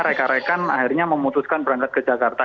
rekan rekan akhirnya memutuskan berangkat ke jakarta